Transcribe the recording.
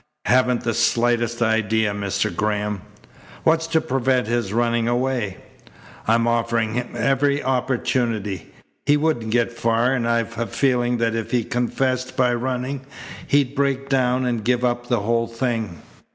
"Haven't the slightest idea, Mr. Graham." "What's to prevent his running away?" "I'm offering him every opportunity. He wouldn't get far, and I've a feeling that if he confessed by running he'd break down and give up the whole thing.